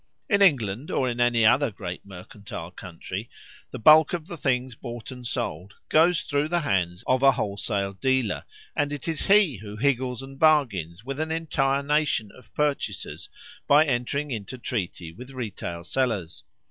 In England, or in any other great mercantile country, the bulk of the things bought and sold goes through the hands of a wholesale dealer, and it is he who higgles and bargains with an entire nation of purchasers by entering into treaty with retail sellers.